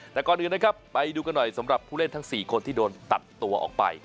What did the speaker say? แต่ก่อนอื่นนะครับไปดูกันหน่อยสำหรับผู้เล่นทั้ง๔คนที่โดนตัดตัวออกไป